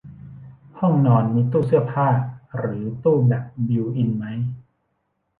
ห้องนอนมีตู้เสื้อผ้าหรือตู้แบบบิลท์อินไหม